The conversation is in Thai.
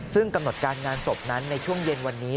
ซึ่งกำหนดการงานศพนั้นในช่วงเย็นวันนี้